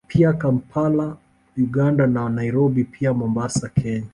Pia Kampala Uganda na Nairobi pia Mombasa Kenya